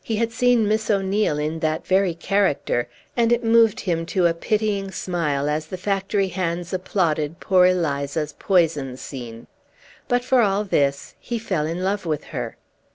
He had seen Miss O'Neil in that very character, and it moved him to a pitying smile as the factory hands applauded poor Eliza's poison scene. But, for all this, he fell in love with her.